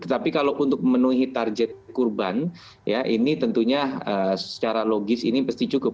tapi kalau untuk memenuhi target kurban ya ini tentunya secara logis ini pasti cukup